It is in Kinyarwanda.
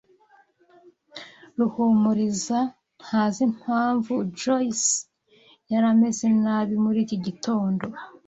Ruhumuriza ntazi impamvu Joyce yari ameze nabi muri iki gitondo.